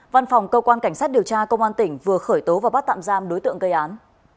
văn phòng cơ quan cảnh sát điều tra công an tỉnh vừa khởi tố và bắt tạm giam đối tượng gây án